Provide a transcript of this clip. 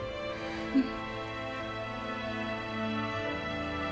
うん。